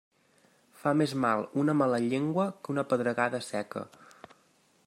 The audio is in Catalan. Fa més mal una mala llengua que una pedregada seca.